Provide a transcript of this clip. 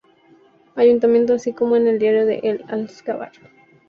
Ayuntamiento, así como en el diario El Alcázar.